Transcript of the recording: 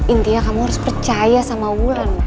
intinya kamu harus percaya sama wulan